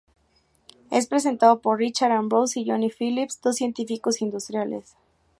Es presentado por Richard Ambrose y Jonny Phillips, dos científicos industriales.